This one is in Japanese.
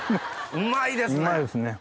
うまいですね。